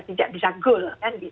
tidak bisa goal kan